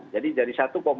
jadi dari satu delapan